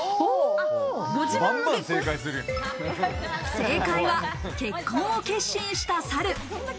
正解は結婚を決心した猿。